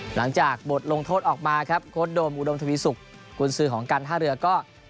หลังจากบทลงโทษออกมาครับโค้ดโดมอุดมทวีสุกกุญสือของการท่าเรือก็